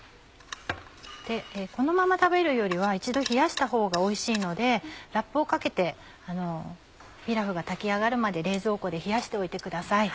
このまま食べるよりは一度冷やしたほうがおいしいのでラップをかけてピラフが炊き上がるまで冷蔵庫で冷やしておいてください。